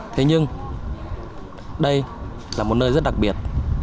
thế nhưng đây là một nơi rất đặc biệt